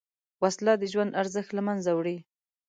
وسله د ژوند ارزښت له منځه وړي